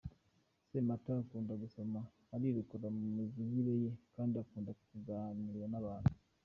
Samantha akunda gusoma, arirekura mu mivugire ye kandi akunda kuganira n’abantu.